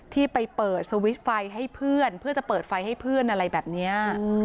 ที่ไปเปิดสวิตช์ไฟให้เพื่อนเพื่อจะเปิดไฟให้เพื่อนอะไรแบบนี้